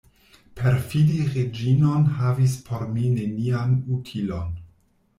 Perfidi Reĝinon havis por mi nenian utilon.